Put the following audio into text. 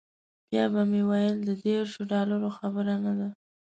بیا به مې ویل د دیرشو ډالرو خبره نه وه.